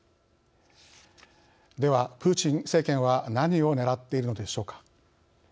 ではプーチン政権は何をねらっているのでしょうか。